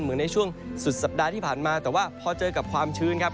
เหมือนในช่วงสุดสัปดาห์ที่ผ่านมาแต่ว่าพอเจอกับความชื้นครับ